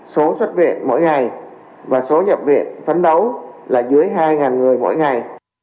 số xuất viện mỗi ngày và số nhập viện phấn đấu là dưới hai người mỗi ngày